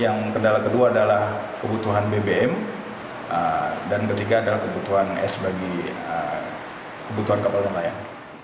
yang kendala kedua adalah kebutuhan bbm dan ketiga adalah kebutuhan es bagi kebutuhan kapal nelayan